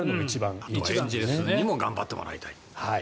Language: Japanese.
あと、エンゼルスにも頑張ってもらいたい。